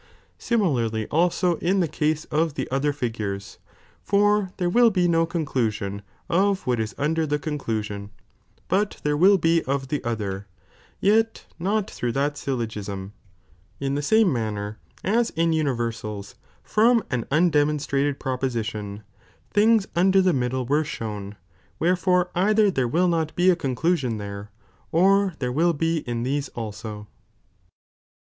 Similarly also in the case of the other figures, for there will he no conclusion of what ia under the conclusion, hut there will he of the other, yet not through that syllogism ; in the some manner, as in univergals, from an undemonstrated proposition, things under the middle were shown, wherefore either there will not he a conclusion there,* or there will be in these also.